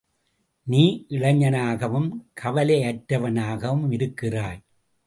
நீ இளைஞனாகவும் கவலையற்றவனாகவும் இருக்கிறாய்.